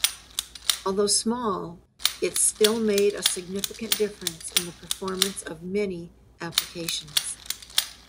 Although small, it still made a significant difference in the performance of many applications.